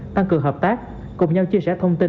tăng cường hợp tác cùng nhau chia sẻ thông tin